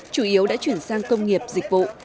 chủ yếu đã chuyển sang công nghiệp dịch vụ